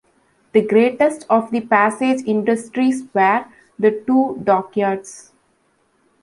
The greatest of the Passage industries were the two dockyards.